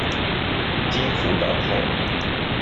經輔導後